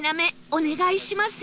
お願いします